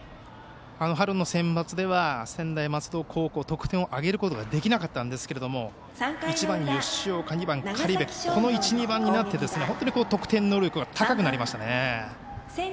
春のセンバツでは専大松戸高校は得点を挙げることができなかったんですけれども１番、吉岡、２番、苅部とこの１、２番になって本当に得点能力が高くなりましたね。